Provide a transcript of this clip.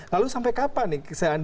lalu sampai kapan nih